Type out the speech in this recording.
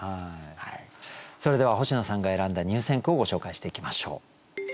それでは星野さんが選んだ入選句をご紹介していきましょう。